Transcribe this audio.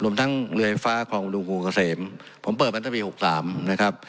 รวมทั้งเรือไฟฟ้าคลองดูกูเกษมผมเปิดมาตั้งแต่ปี๖๓นะครับ